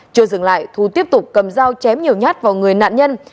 chưa dừng lại thu tiếp tục cầm dao chém nhiều nhát vào người nạn nhân